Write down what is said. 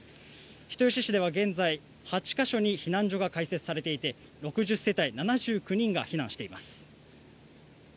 人吉市では現在、８か所に避難所が開設されていて６０世帯７９人が避難しています。